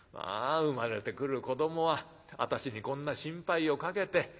生まれてくる子どもは私にこんな心配をかけて。